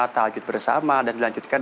tajud bersama dan dilanjutkan